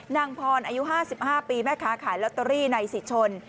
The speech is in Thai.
นางพรอายุ๕๕ปีแม่ค้าขายลอตเตอรี่ในสิทชน